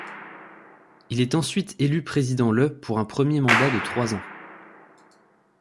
Il est ensuite élu président le pour un premier mandat de trois ans.